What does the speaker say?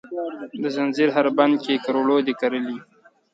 د ځنځیر هر بند کې کروړو دي کرلې،